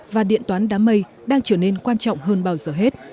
và điện toán đám mây đang trở nên quan trọng hơn bao giờ hết